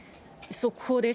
速報です。